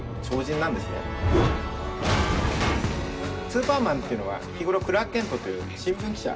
スーパーマンっていうのは日頃クラーク・ケントという新聞記者。